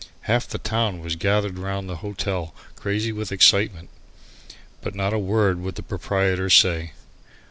Half the town was gathered round the hotel crazy with excitement. But not a word would the proprietor say.